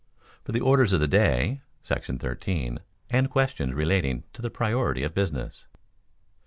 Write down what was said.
—For the Orders of the Day [§ 13], and questions relating to the priority of business.